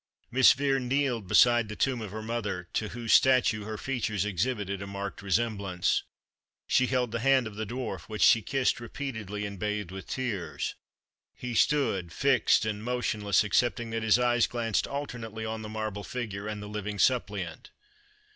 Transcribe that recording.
Miss Vere kneeled beside the tomb of her mother, to whose statue her features exhibited a marked resemblance. She held the hand of the Dwarf, which she kissed repeatedly and bathed with tears. He stood fixed and motionless, excepting that his eyes glanced alternately on the marble figure and the living suppliant.